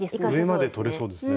上までとれそうですね。